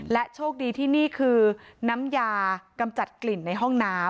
โชคดีที่นี่คือน้ำยากำจัดกลิ่นในห้องน้ำ